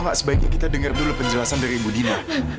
apa gak sebaiknya kita denger dulu penjelasan dari ibu dina